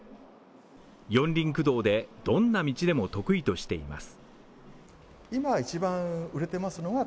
四輪駆動で、どんな道でも得意としています。